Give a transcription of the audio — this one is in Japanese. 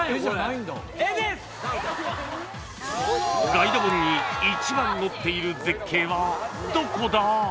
［ガイド本に一番載っている絶景はどこだ？］